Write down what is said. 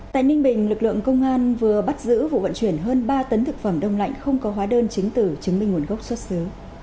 tại ninh bình lực lượng công an vừa bắt giữ vụ vận chuyển hơn ba tấn thực phẩm đông lạnh không có hóa đơn chứng tử chứng minh nguồn gốc xuất xứ